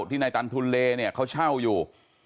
ที่นายตันทุนเลเนี่ยเขาเช่าอยู่